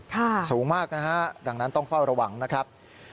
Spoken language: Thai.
สูงมากนะฮะดังนั้นต้องเฝ้าระวังนะครับ